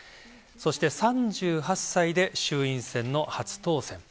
そして３８歳で衆院選の初当選。